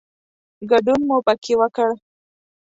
ګډون مو پکې وکړ.